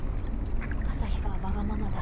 「朝陽はわがままだ。